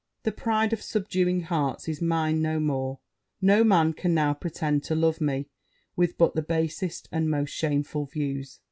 The pride of subduing hearts is mine no more: no man can now pretend to love me but with the basest and most shameful views.